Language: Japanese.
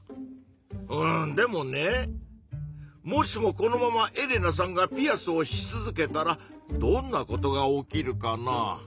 うんでもねもしもこのままエレナさんがピアスをし続けたらどんなことが起きるかな？